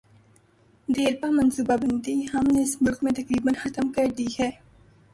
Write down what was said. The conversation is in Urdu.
دیرپا منصوبہ بندی ہم نے اس ملک میں تقریبا ختم کر دی ہے۔